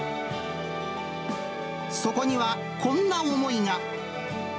そこには、こんな思いが。